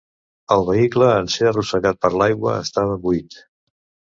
El vehicle, en ser arrossegat per l’aigua, estava buit.